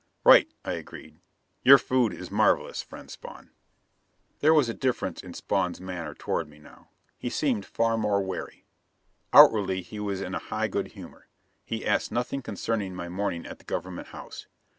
"Right," I agreed. "Your food is marvelous, friend Spawn." There was a difference in Spawn's manner toward me now. He seemed far more wary. Outwardly he was in a high good humor. He asked nothing concerning my morning at the Government House.